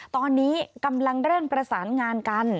ตอนนี้กำลังเร่งประสานงานกัน